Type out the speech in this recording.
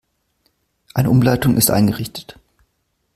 Eine Umleitung ist eingerichtet.